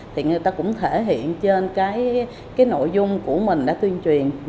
thì người ta cũng thể hiện trên cái nội dung của mình đã tuyên truyền